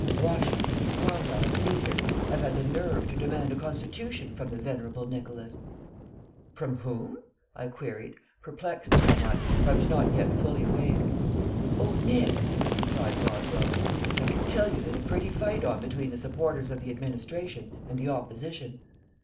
Washington and Cromwell and Caesar have had the nerve to demand a constitution from the venerable Nicholas " "From whom?" I queried, perplexed somewhat, for I was not yet fully awake. "Old Nick," replied Boswell; "and I can tell you there's a pretty fight on between the supporters of the administration and the opposition.